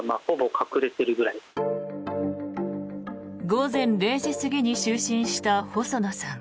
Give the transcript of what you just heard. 午前０時過ぎに就寝した細野さん。